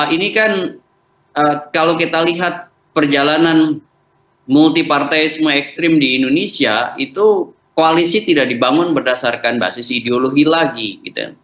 ini kan kalau kita lihat perjalanan multipartaisme ekstrim di indonesia itu koalisi tidak dibangun berdasarkan basis ideologi lagi gitu ya